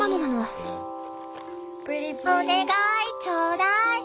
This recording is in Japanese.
「おねがいちょうだい」。